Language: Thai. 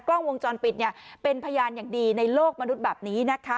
กล้องวงจรปิดเนี่ยเป็นพยานอย่างดีในโลกมนุษย์แบบนี้นะคะ